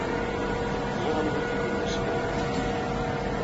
Ẓriɣ anwa ay t-ilan wesga-a.